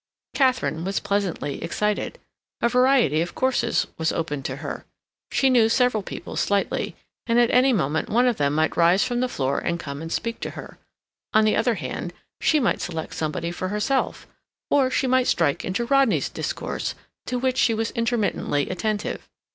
Katharine was pleasantly excited. A variety of courses was open to her. She knew several people slightly, and at any moment one of them might rise from the floor and come and speak to her; on the other hand, she might select somebody for herself, or she might strike into Rodney's discourse, to which she was intermittently attentive.